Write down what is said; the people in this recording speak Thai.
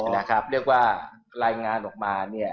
แล้วแรงงานออกมาเนี่ย